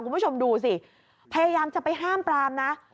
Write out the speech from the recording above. คุณผู้ชมดูสิพยายามจะไปห้ามปรามนะ